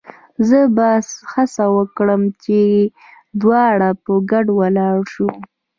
زه به هڅه وکړم چې دواړه په ګډه ولاړ شو.